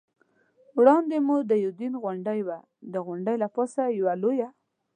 وړاندې مو د یوډین غونډۍ وه، د غونډۍ له پاسه یوه لویه.